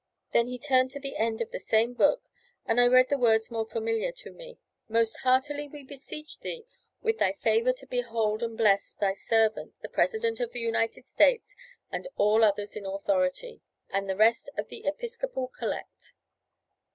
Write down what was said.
Then he turned to the end of the same book, and I read the words more familiar to me: "Most heartily we beseech Thee with Thy favour to behold and bless Thy servant, the President of the United States, and all others in authority" and the rest of the Episcopal collect.